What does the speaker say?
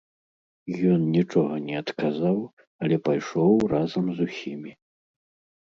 Ён нічога не адказаў, але пайшоў разам з усімі.